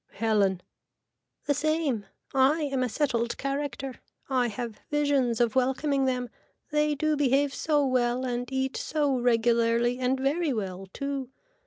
(Helen.) The same. I am a settled character. I have visions of welcoming them. They do behave so well and eat so regularly and very well too.